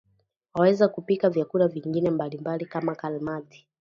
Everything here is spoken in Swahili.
Waweza kupika vyakula vingine mbalimbali kama kalmati